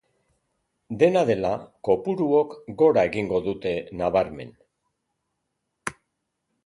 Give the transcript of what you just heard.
Dena dela, kopuruok gora egingo dute, nabarmen.